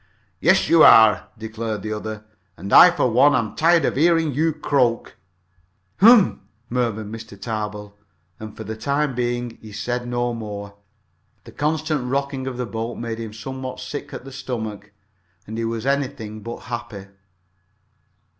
"Yes, you are!" declared the other. "And I, for one, am tired of hearing you croak." "Hum!" murmured Mr. Tarbill, and then, for the time being, he said no more. The constant rocking of the boat made him somewhat sick at the stomach, and he was anything but happy.